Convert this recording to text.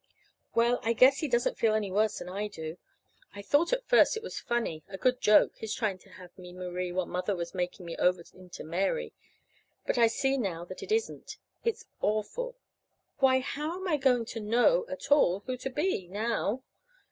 Well, I guess he doesn't feel any worse than I do. I thought at first it was funny, a good joke his trying to have me Marie while Mother was making me over into Mary. But I see now that it isn't. It's awful. Why, how am I going to know at all who to be now?